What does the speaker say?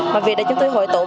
và vì thế chúng tôi hội tụ